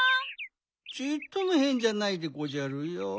ちっともへんじゃないでごじゃるよ。